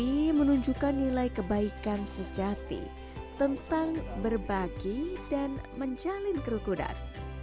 ini menunjukkan nilai kebaikan sejati tentang berbagi dan menjalin kerukunan